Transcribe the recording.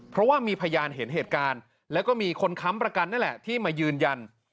เพราะว่ามีพยานเห็นเหตุการณ์แล้วก็มีคนค้ำประกันนั่นแหละที่มายืนยัน